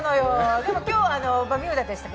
でも今日バミューダでしたっけ？